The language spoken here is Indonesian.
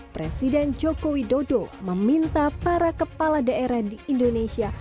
presiden joko widodo meminta para kepala daerah di indonesia